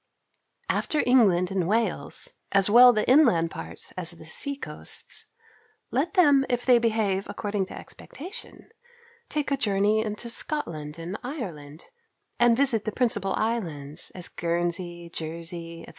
After England and Wales, as well the inland parts as the sea coasts, let them if they behave according to expectation, take a journey into Scotland and Ireland, and visit the principal islands, as Guernsey, Jersey, &c.